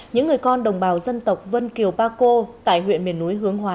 những người con đồng bào dân tộc vân kiều ba cô tại huyện miền núi hướng hóa